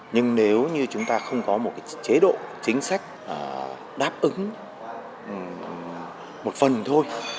nhưng nếu như chúng ta không có một chế độ chính sách đáp ứng một phần thôi